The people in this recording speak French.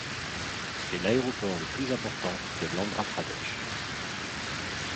C'est l'aéroport le plus important de l'Andhra Pradesh.